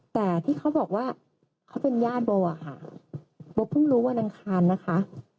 แต่ที่เขาบอกว่าเขาเป็นญาติโบอะค่ะโบเพิ่งรู้วันอังคารนะคะ